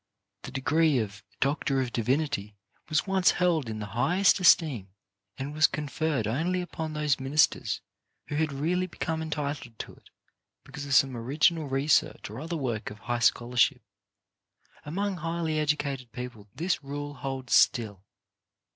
The degree of Doctor of Divinity was once held in the highest esteem, and was conferred only upon those ministers who had really become entitled to it because of some original research or other work of high scholarship. Among highly edu cated people this rule holds still.